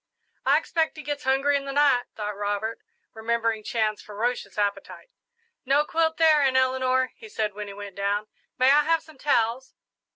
"I expect he gets hungry in the night," thought Robert, remembering Chan's ferocious appetite. "No quilt there, Aunt Eleanor," he said, when he went down. "May I have some towels?"